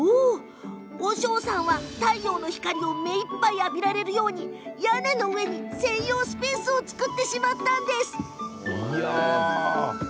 和尚さんは、太陽の光を目いっぱい浴びられるように屋根の上に専用スペースを作られました。